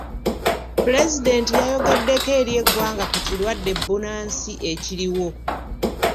Pulezidenti yayogeddeko eri eggwanga ku kirwadde bbunansi ekiriwo.